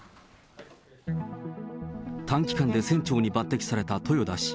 短期間で船長に抜てきされた豊田氏。